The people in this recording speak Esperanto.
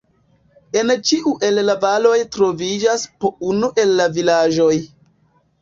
En ĉiu el la valoj troviĝas po unu el la vilaĝoj.